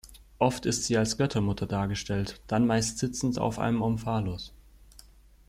Oft ist sie als Göttermutter dargestellt, dann meist sitzend auf einem Omphalos.